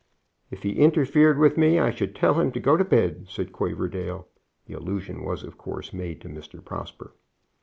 "If he interfered with me I should tell him to go to bed," said Quaverdale. The allusion was, of course, made to Mr. Prosper.